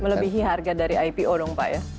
melebihi harga dari ipo dong pak ya